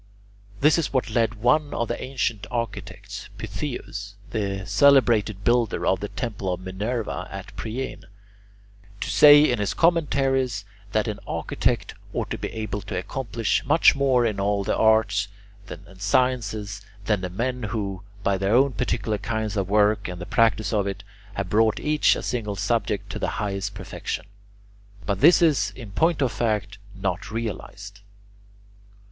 This is what led one of the ancient architects, Pytheos, the celebrated builder of the temple of Minerva at Priene, to say in his Commentaries that an architect ought to be able to accomplish much more in all the arts and sciences than the men who, by their own particular kinds of work and the practice of it, have brought each a single subject to the highest perfection. But this is in point of fact not realized.